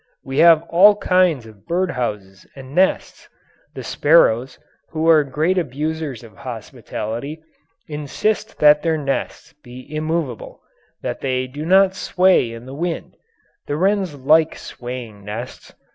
We have all kinds of bird houses and nests. The sparrows, who are great abusers of hospitality, insist that their nests be immovable that they do not sway in the wind; the wrens like swaying nests.